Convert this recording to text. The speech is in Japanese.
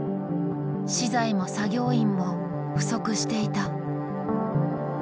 資材も作業員も不足していた。